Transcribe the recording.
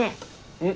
うん？